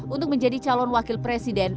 untuk menjadi calon wakil presiden